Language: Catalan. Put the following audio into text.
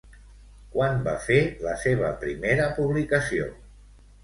Quan va fer la seva primera publicació?